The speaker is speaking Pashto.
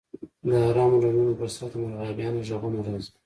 د ارامو ډنډونو په سر د مرغابیانو غږونه راځي